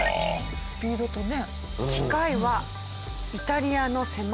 スピードとね。